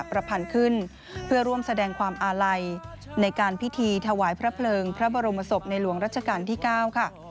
ประพันธ์ขึ้นเพื่อร่วมแสดงความอาลัยในการพิธีถวายพระเพลิงพระบรมศพในหลวงรัชกาลที่๙ค่ะ